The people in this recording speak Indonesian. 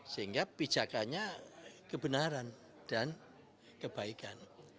sehingga pijakannya kebenaran dan kebaikan